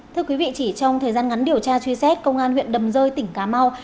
thưa quý vị chỉ trong thời gian ngắn điều tra truy xét công an huyện đầm rơi tỉnh cà mau